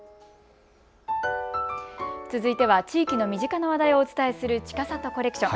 続いては地域の身近な話題をお伝えする、ちかさとコレクション。